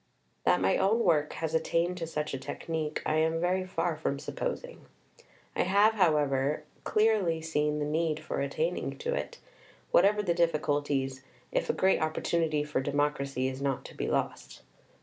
That my own work has attained to such a technique I am very far from supposing. I have, however, clearly seen the need for attaining to it, whatever the difficulties, if a great opportunity for democracy is not to be lost.